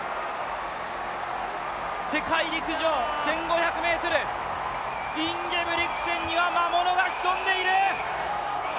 世界陸上１５００ｍ、インゲブリクセンには魔物が潜んでいる。